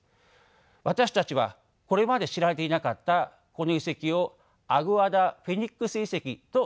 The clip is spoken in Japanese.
私たちはこれまで知られていなかったこの遺跡をアグアダ・フェニックス遺跡と名付けました。